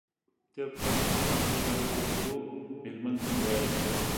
تېر پسرلی چې له همدې لارې تېرېدو مېرمنې ته مې ویل.